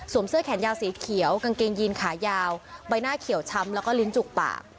เสื้อแขนยาวสีเขียวกางเกงยีนขายาวใบหน้าเขียวช้ำแล้วก็ลิ้นจุกปาก